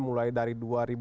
mulai dari dua ribu lima belas